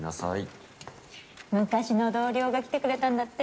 昔の同僚が来てくれたんだって？